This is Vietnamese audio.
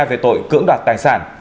về tội cưỡng đoạt tài sản